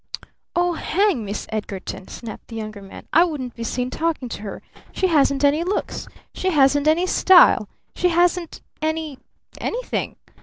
"Oh, hang Miss Edgarton!" snapped the Younger Man. "I wouldn't be seen talking to her! She hasn't any looks! She hasn't any style! She hasn't any anything!